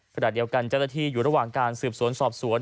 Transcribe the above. ขณะเดียวกันเจ้าหน้าที่อยู่ระหว่างการสืบสวนสอบสวน